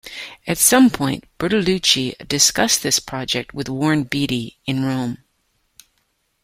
At some point Bertolucci discussed this project with Warren Beatty in Rome.